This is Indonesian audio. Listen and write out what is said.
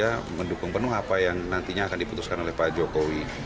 kita mendukung penuh apa yang nantinya akan diputuskan oleh pak jokowi